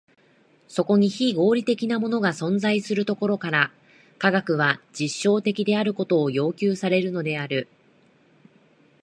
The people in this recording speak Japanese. そこに非合理的なものが存在するところから、科学は実証的であることを要求されるのである。